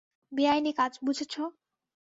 বেআইনি কাজ, বুঝেছো?